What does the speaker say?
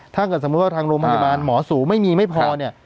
ถ้าเกิดสมมุติว่าทางโรงพยาบาลหมอสูงไม่มีไม่พอเนี่ย